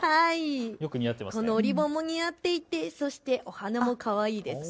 このリボンも似合っていてそしてお花もかわいいです。